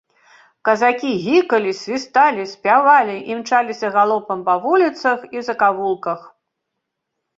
Казакі гікалі, свісталі, спявалі, імчаліся галопам па вуліцах і закавулках.